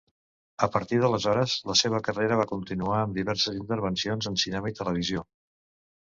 A partir d'aleshores, la seva carrera va continuar amb diverses intervencions en cinema i televisió.